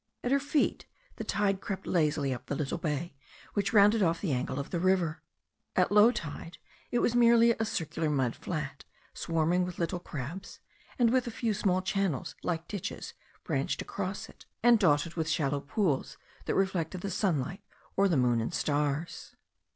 At her feet the tide crept lazily up the little bay which rounded off the angle of the river. At low tide it was merely a circular mud flat, swarming with little crabs, and with a few small channels like ditches branched across it, and dotted with shallow pools that reflected the sunlight or the moon and stars.